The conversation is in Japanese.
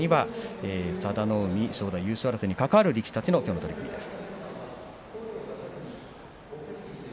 佐田の海、優勝争いに関わる力士たちのきょうの一番です。